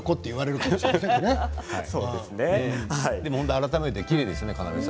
改めてきれいですね。